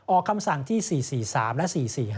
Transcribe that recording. คำสั่งที่๔๔๓และ๔๔๕